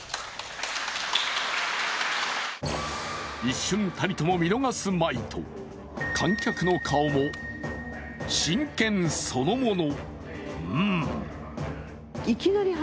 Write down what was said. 一瞬たりとも見逃すまいと、観客の顔も真剣そのもの。